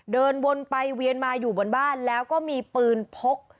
เดินวนไปเวียนมาอยู่บนบ้านแล้วก็มีปืนพก